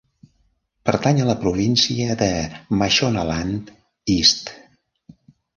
Pertany a la província de Mashonaland East.